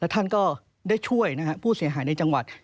ท่านก็ได้ช่วยผู้เสียหายในจังหวัด